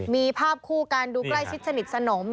มีภาพคู่กันดูใกล้ชิดสนิทสนม